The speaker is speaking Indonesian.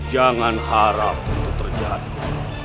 jangan harap itu terjadi